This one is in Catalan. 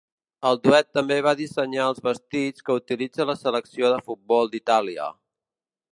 El duet també va dissenyar els vestits que utilitza la selecció de futbol d'Itàlia.